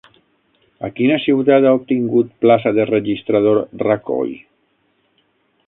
A quina ciutat ha obtingut plaça de registrador Rajoy?